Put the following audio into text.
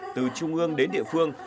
từ trung ương đến địa phương